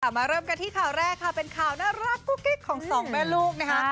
มาเริ่มกันที่ข่าวแรกค่ะเป็นข่าวน่ารักกุ๊กกิ๊กของสองแม่ลูกนะคะ